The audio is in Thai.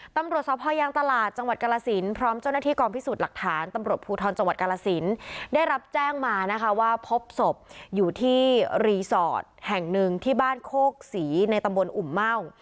ตำรวจสภยางตลาดจังหวัดกรสินพร้อมเจ้าหน้าที่กองพิสูจน์หลักฐานตำรวจภูทรจังหวัดกาลสินได้รับแจ้งมานะคะว่าพบศพอยู่ที่รีสอร์ทแห่งหนึ่งที่บ้านโคกศรีในตำบลอุ่มเม่า